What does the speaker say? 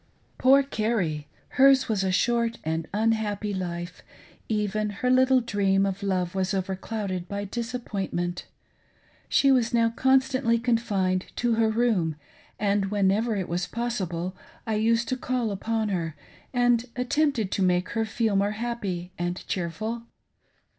Poor Carrie! Her's was a short and unhappy life — even her little dream of love was overclouded by disappointment. She was now constantly confined to her room, and whenever it was possible I used to call upon her, and attempted to make her feel more happy and cheerful.